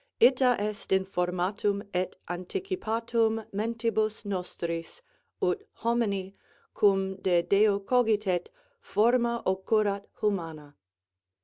_Ita est informatum et anticipatum mentibus nostris, ut homini, quum de Deo cogitet, forma occurrat hu mana.